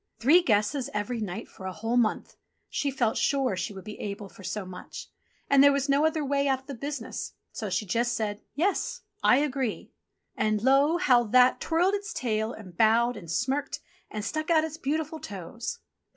Three guesses every night for a whole month ! She felt sure she would be able for so much ; and there was no other way out of the business, so she just said, "Yes ! I agree !" And lor ! how That twirled its tail, and bowed, and smirked, and stuck out its beautiful toes.